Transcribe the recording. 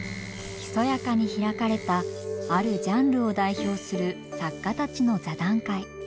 ひそやかに開かれたあるジャンルを代表する作家たちの座談会。